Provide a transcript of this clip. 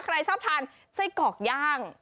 ใครชอบทานไส้กรอกย่าง